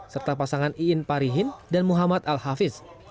serta pasangan iin parihin dan muhammad al hafiz